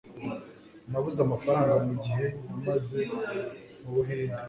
nabuze amafaranga mugihe namaze mu buhinde